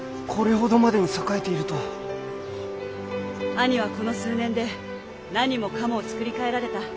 兄はこの数年で何もかもを作り替えられた。